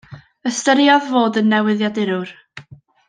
Ystyriodd fod yn newyddiadurwr.